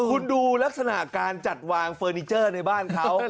คุณดูลักษณะการจัดวางเฟอร์นิเจอร์ในบ้านเขา